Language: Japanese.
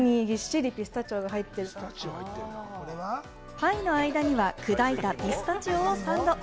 パイの間には砕いたピスタチオをサンド。